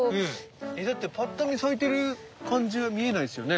えだってパッと見咲いてる感じは見えないですよね。